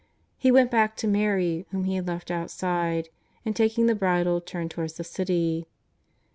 He went back to Mary, whom he had left outside, and taking the bridle turned towards the city.